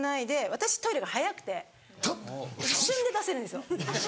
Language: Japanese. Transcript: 私トイレが速くて一瞬で出せるんですよ。